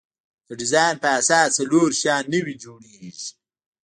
د ډیزاین په اساس څلور شیان نوي جوړیږي.